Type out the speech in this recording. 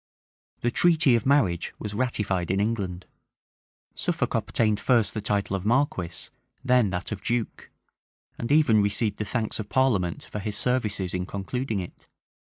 The treaty of marriage was ratified in England: Suffolk obtained first the title of marquis, then that of duke; and even received the thanks of parliament for his services in concluding it.